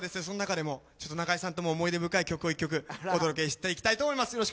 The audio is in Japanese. その中でも中居さんとも思い出深い曲を１曲お届けしていきたいと思います